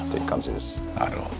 なるほど。